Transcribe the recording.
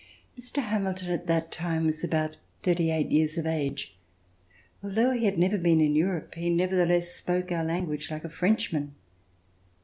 Mr. Hamilton at that time was about thirty eight years of age. Al though he had never been in Europe, he nevertheless spoke our language like a Frenchman.